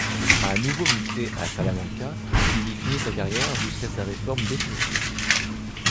À nouveau muté à Salamanca, il y finit sa carrière jusqu'à sa réforme définitive.